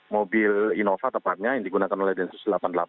mobil innova tepatnya yang digunakan oleh densus delapan puluh delapan